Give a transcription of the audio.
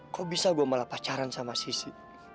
kok bisa gue malah pacaran sama sisi